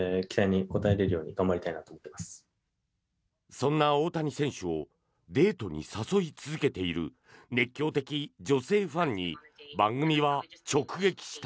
そんな大谷選手をデートに誘い続けている熱狂的女性ファンに番組は直撃した。